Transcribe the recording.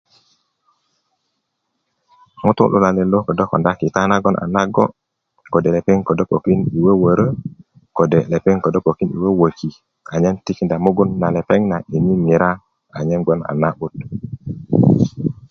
ŋutu luwalet lo ködö konda kita nagon a nago' kode' lepeŋ kodo pokin yi wöwörö kode' lepeŋ pokin yi wöwöki anyen mugun na lepeŋ na pokin yi ŋiŋira anyen gboŋ a na'but